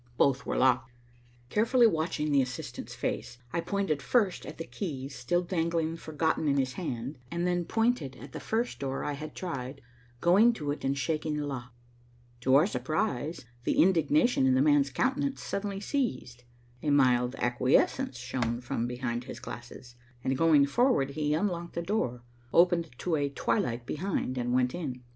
Both were locked. Carefully watching the assistant's face, I pointed first at the keys still dangling forgotten in his hand, and then pointed at the first door I had tried, going to it and shaking the lock. To our surprise, the indignation in the man's countenance suddenly ceased. A mild acquiescence shone from behind his glasses and, going forward, he unlocked the door, opened to a twilight behind and went in.